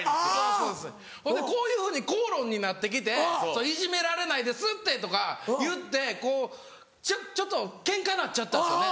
そうですほんでこういうふうに口論になって来ていじめられないですって！とか言ってこうちょっとケンカになっちゃったんですよね。